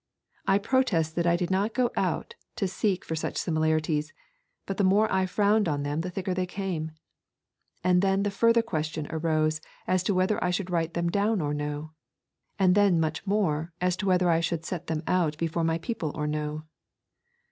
I protest that I did not go out to seek for such similarities, but the more I frowned on them the thicker they came. And then the further question arose as to whether I should write them down or no; and then much more, as to whether I should set them out before my people or no.